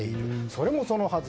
それもそのはず。